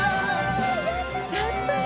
やったね！